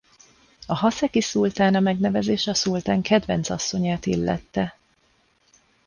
A Haszeki szultána megnevezés a szultán kedvenc asszonyát illette.